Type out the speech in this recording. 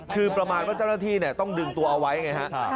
คือประมาณว่าเจ้าหน้าที่ต้องดึงตัวเอาไว้ไงฮะ